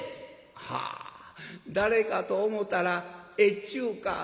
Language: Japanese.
「はあ誰かと思たら越中か」。